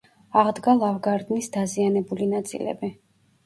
აღდგა ლავგარდნის დაზიანებული ნაწილები.